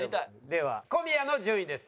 では小宮の順位です。